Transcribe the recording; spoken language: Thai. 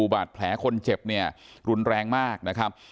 บาดแผลคนเจ็บเนี่ยรุนแรงมากนะครับ